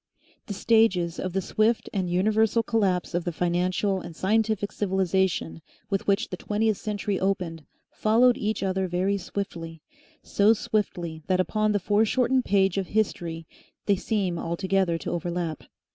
The stages of the swift and universal collapse of the financial and scientific civilisation with which the twentieth century opened followed each other very swiftly, so swiftly that upon the foreshortened page of history they seem altogether to overlap.